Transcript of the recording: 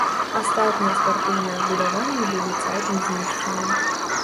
Астатнія спартыўныя збудаванні былі цалкам знішчаны.